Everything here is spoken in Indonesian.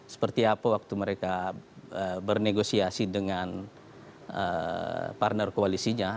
seperti apa waktu mereka bernegosiasi dengan partner koalisinya